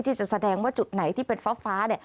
แสดงว่าจุดไหนที่เป็นฟ้า